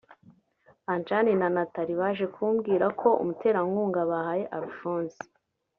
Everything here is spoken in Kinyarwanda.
Anjan na Nathalie baje kumbwira ko umuterankunga bahaye Alphonse